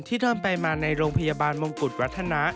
เดินไปมาในโรงพยาบาลมงกุฎวัฒนะ